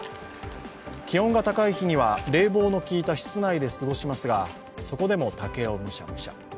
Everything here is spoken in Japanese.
気温が高い日には冷房のきいた室内で過ごしますがそこでも竹をむしゃむしゃ。